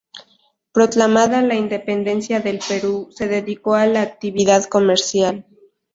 Proclamada la Independencia del Perú, se dedicó a la actividad comercial.